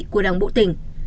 của đảng bộ tỉnh